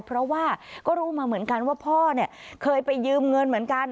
เพราะว่าก็รู้มาเหมือนกันว่าพ่อเนี่ยเคยไปยืมเงินเหมือนกัน